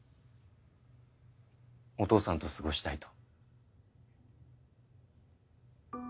お父さんと過ごしたいと。